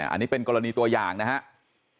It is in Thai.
อันนี้เป็นกรณีตัวอย่างนะครับ